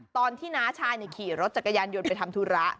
น้าชายขี่รถจักรยานยนต์ไปทำธุระ